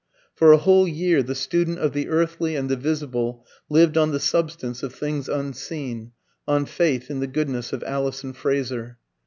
For a whole year the student of the earthly and the visible lived on the substance of things unseen on faith in the goodness of Alison Fraser.